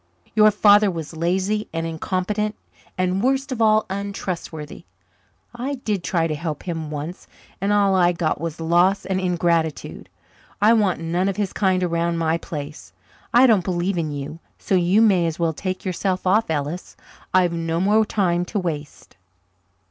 Your father was lazy and incompetent and, worst of all, untrustworthy. I did try to help him once, and all I got was loss and ingratitude. I want none of his kind around my place. I don't believe in you, so you may as well take yourself off, Ellis. I've no more time to waste."